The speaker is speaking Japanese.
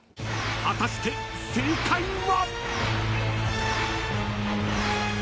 ［果たして正解は？］